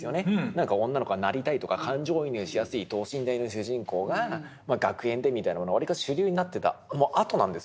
何か女の子がなりたいとか感情移入しやすい等身大の主人公が学園でみたいなものがわりかし主流になってた後なんですよ。